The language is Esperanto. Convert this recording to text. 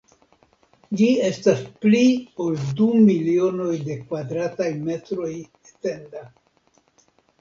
Ĝi estas pli ol du milionoj de kvadrataj metroj etenda.